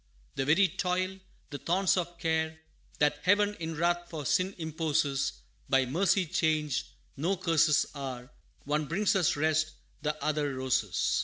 The very toil, the thorns of care, That Heaven in wrath for sin imposes, By mercy changed, no curses are One brings us rest, the other roses.